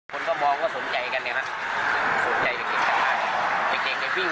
คนก็มองว่าสนใจกันเนี้ยฮะสนใจเด็กเด็กเด็กวิ่ง